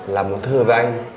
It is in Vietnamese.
làm một thư với anh